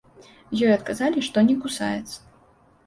Ёй адказалі, што не кусаюцца.